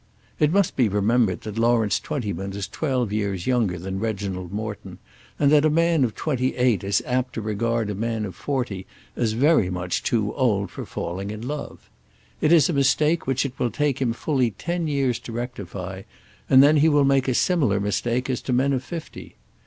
It must be remembered that Lawrence Twentyman was twelve years younger than Reginald Morton, and that a man of twenty eight is apt to regard a man of forty as very much too old for falling in love. It is a mistake which it will take him fully ten years to rectify, and then he will make a similar mistake as to men of fifty.